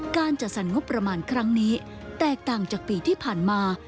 การจัดสรรงบประมาณครั้งนี้แตกต่างจากปีที่ผ่านมา